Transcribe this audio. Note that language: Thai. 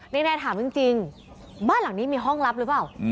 แน่ถามจริงบ้านหลังนี้มีห้องลับหรือเปล่า